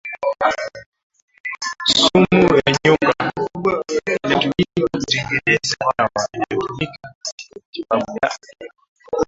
sumu ya nyoka inatumika kutengeneza dawa inayotumika katika matibabu ya